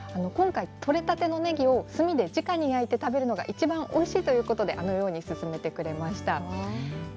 今回、取れたてのねぎを炭でじかに焼いて食べるのがいちばんおいしいということであのように勧めてくれました。